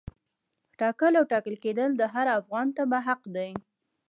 ټاکل او ټاکل کېدل د هر افغان تبعه حق دی.